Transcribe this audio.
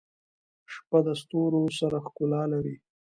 • شپه د ستورو سره ښکلا لري.